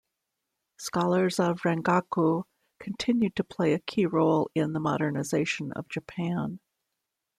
Scholars of Rangaku continued to play a key role in the modernization of Japan.